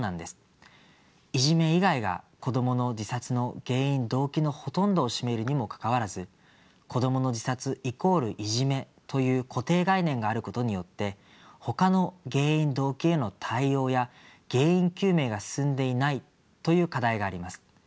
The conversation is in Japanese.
いじめ以外が子どもの自殺の原因・動機のほとんどを占めるにもかかわらず「子どもの自殺＝いじめ」という固定概念があることによってほかの原因・動機への対応や原因究明が進んでいないという課題があります。